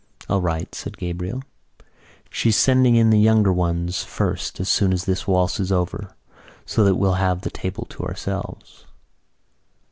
"All right," said Gabriel. "She's sending in the younger ones first as soon as this waltz is over so that we'll have the table to ourselves."